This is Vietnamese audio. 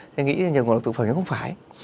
thế nghĩa là ngộ độc thực phẩm nó không phải